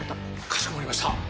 かしこまりました！